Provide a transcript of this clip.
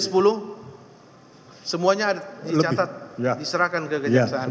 semuanya ada di catat diserahkan ke kejaksaan ya